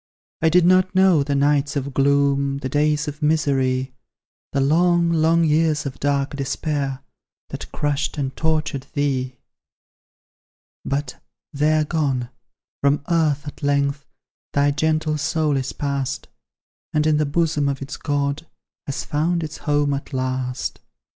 I did not know the nights of gloom, The days of misery; The long, long years of dark despair, That crushed and tortured thee. But they are gone; from earth at length Thy gentle soul is pass'd, And in the bosom of its God Has found its home at last.